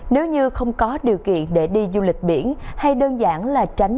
nếu như không có điều kiện để đi du lịch biển hay đơn giản là tránh